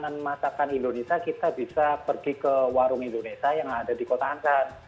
dengan masakan indonesia kita bisa pergi ke warung indonesia yang ada di kota angkat